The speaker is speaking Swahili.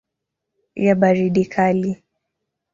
ya baridi kali.